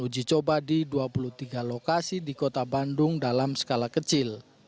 uji coba di dua puluh tiga lokasi di kota bandung dalam skala kecil